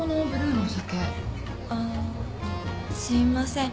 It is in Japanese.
すいません。